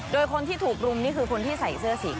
โดยคนที่ถูกรุมนี่คือคนที่ใส่เสื้อสี